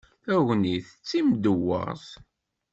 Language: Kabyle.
Tagnit d timdewweṛt.